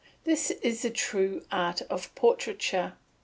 This is the true art of portraiture.